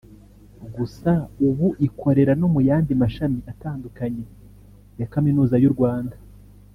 Gusa ubu ikorera no mu yandi mashami atandukanye ya Kaminuza y’u Rwanda